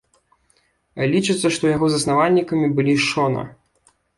Лічыцца, што яго заснавальнікамі былі шона.